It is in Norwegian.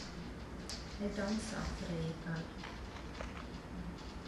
Eg dansar for deg i kveld